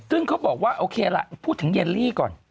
ซึ่งเขาบอกว่าโอเคล่ะพูดถึงเยลลี่ก่อน